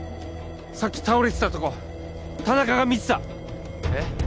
さっき倒れてたとこ田中が見てたえっ？